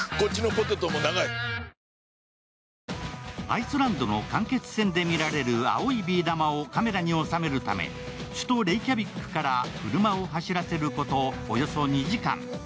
アイスランドの間欠泉で見られる蒼いビー玉をカメラに収めるため首都・レイキャビックから車を走らせること、およそ２時間。